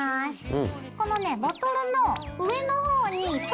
うん。